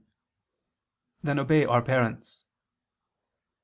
12:9), than obey our parents.